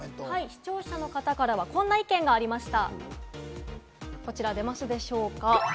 視聴者の方から、こんな意見がありました。